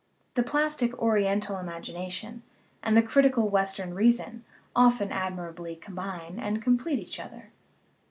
The plastic Oriental imagination and the critical Western reason often admirably combine and complete each other.